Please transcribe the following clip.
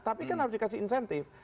tapi kan harus dikasih insentif